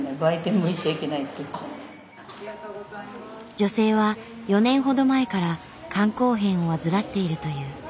女性は４年ほど前から肝硬変を患っているという。